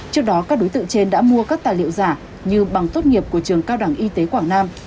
trước đó các đối tượng trên đã mua các tài liệu giả như bằng tốt nghiệp của trường cao đẳng y tế quảng nam